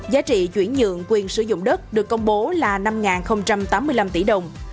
giá trị chuyển nhượng quyền sử dụng đất được công bố là năm tám mươi năm tỷ đồng